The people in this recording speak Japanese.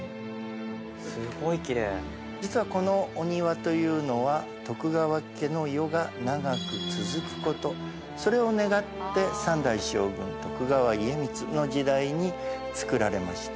実はこのお庭というのは徳川家の世が長く続くことそれを願って３代将軍徳川家光の時代につくられました。